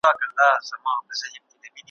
نه یې زرکي په ککړو غولېدلې `